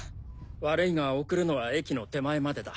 悪いが送るのは駅の手前までだ。